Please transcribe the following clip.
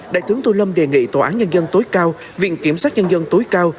đại tướng tô lâm đề nghị tòa án nhân dân tối cao viện kiểm sát nhân dân tối cao